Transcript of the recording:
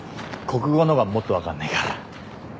国語のがもっと分かんねえから。